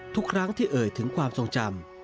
ทุกครั้งที่เอ่ยถึงความทรงจำ